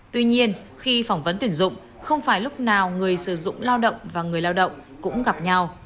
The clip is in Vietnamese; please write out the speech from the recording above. tuy nhiên khi phỏng vấn tuyển dụng không phải lúc nào người sử dụng lao động và người lao động cũng gặp nhau